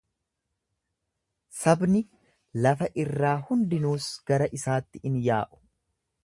Sabni lafa irraa hundinuus gara isaatti in yaa'u.